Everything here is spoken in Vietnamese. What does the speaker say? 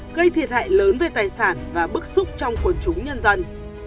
gây thiệt hại lớn về tài sản và bức xúc trong quần chúng nhân dân